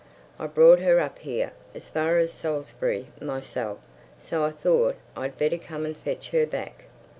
I brought her up here, as far as Salisbury, myself. So I thought I'd better come and fetch her back.